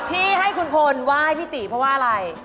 ที่ให้คุณพลไหว้พี่ตีเพราะว่าอะไร